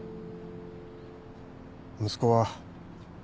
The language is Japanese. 息子は。